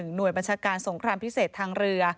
หน่วยบัญชาการสงครามพิเศษทางเรือ